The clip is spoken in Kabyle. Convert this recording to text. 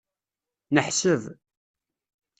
Neḥseb.